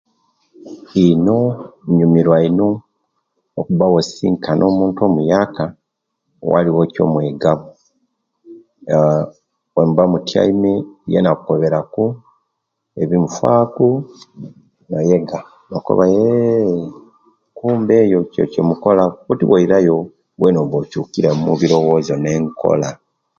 Ino nyumirwa ino okuba owesisinkana omuntu omuyaaka waliwo ekyomwegamu aah owemuba mutyame yena okukoberaku ebimufaaku noyega nokoba eeeh eee kumbe eyo nikyo ekimukola wena awo oba ochukiryemu ebilowozo ne nkola.